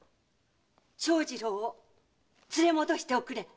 長次郎を連れ戻しておくれ。